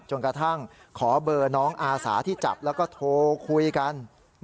กระทั่งขอเบอร์น้องอาสาที่จับแล้วก็โทรคุยกัน